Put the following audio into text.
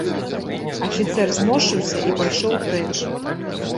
Афіцэр зморшчыўся і пайшоў прэч.